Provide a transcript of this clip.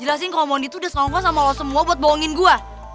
jelasin kalau mondi tuh udah sengongkos sama lo semua buat bohongin gue